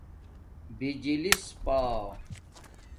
بجلس پݳ